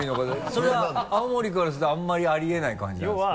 それは青森からするとあんまりあり得ない感じなんですか？